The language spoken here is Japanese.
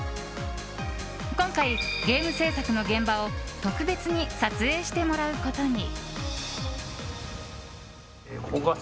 今回、ゲーム制作の現場を特別に撮影してもらうことに。